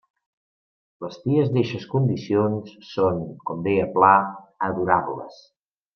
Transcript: Les ties d'eixes condicions són, com deia Pla, adorables.